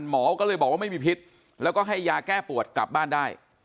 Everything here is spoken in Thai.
หมอก็เลยบอกว่าไม่มีพิษแล้วก็ให้ยาแก้ปวดกลับบ้านได้